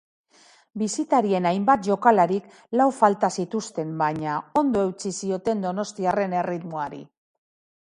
Bisitarien hainbat jokalarik lau falta zituzten, baina ondo eutsi zioten donostiarren erritmoari.